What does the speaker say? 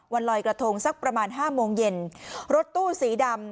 วันลอยกระทงสักประมาณห้าโมงเย็นรถตู้สีดำ